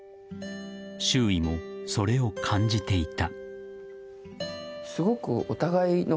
周囲もそれを感じていた。